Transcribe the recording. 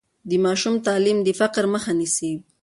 د ماشوم تعلیم د فقر مخه نیسي.